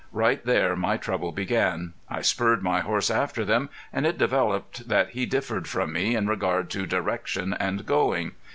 Right there my trouble began. I spurred my horse after them, and it developed that he differed from me in regard to direction and going.